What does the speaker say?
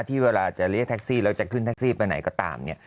ที่เวลาจะเรียกแท็กซี่แล้วจะขึ้นแท็กซี่ไปไหนก็ตามเนี่ย